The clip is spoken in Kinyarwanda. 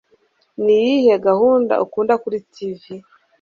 Niyihe gahunda ukunda kuri TV